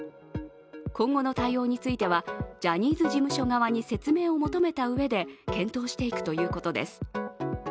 今後の対応については、ジャニーズ事務所側に説明を求めたうえで検討していくということです。